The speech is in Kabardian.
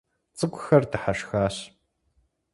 ЦӀыкӀухэр дыхьэшхащ.